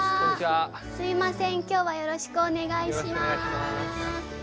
すいません今日はよろしくお願いします。